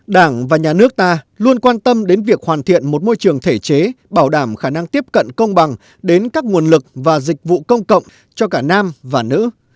đảng và nhà nước ta luôn quan tâm đến việc hoàn thiện một môi trường thể chế bảo đảm khả năng tiếp cận công bằng đến các nguồn lực và dịch vụ công cộng cho cả nam và nữ